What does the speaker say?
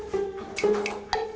jangan terlalu banyak